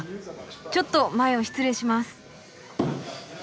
ちょっと前を失礼します。